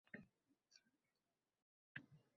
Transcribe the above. Endi har chog’ men eltaman gul.